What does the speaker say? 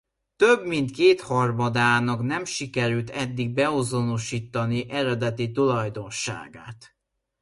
Több mint kétharmadának nem sikerült eddig beazonosítani eredeti tulajdonosát.